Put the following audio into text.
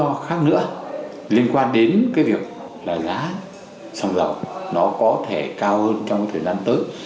có một cái lý do khác nữa liên quan đến cái việc là giá xăng dầu nó có thể cao hơn trong thời gian tới